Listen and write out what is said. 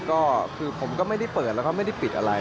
ก็คือผมก็ไม่ได้เปิดแล้วก็ไม่ได้ปิดอะไร